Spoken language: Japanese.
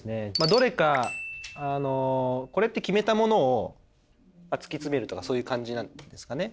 どれかあのこれって決めたものを突き詰めるとかそういう感じなんですかね？